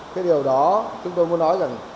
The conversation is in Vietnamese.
cái điều đó chúng tôi muốn nói rằng